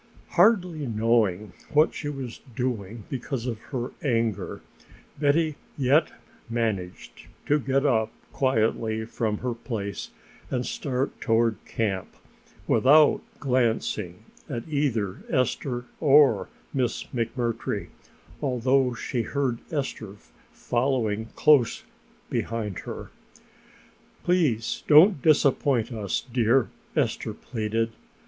Hardly, knowing what she was doing because of her anger, Betty yet managed to get up quietly from her place and start toward camp without glancing at either Esther or Miss McMurtry, although she heard Esther following close behind her. "Please don't disappoint us, dear," Esther pleaded.